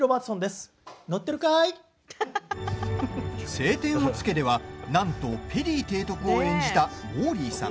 「青天を衝け」では、なんとペリー提督を演じたモーリーさん。